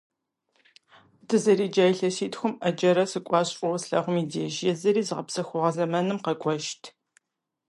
Дызэреджа илъэситхум Ӏэджэрэ сыкӀуащ фӀыуэ слъагъум и деж, езыри зыгъэпсэхугъуэ зэманым къэкӀуэжырт.